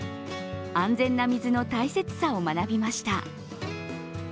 安全な水の大切さを学びました。